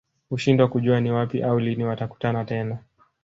Hushindwa kujua ni wapi au lini watakutana tena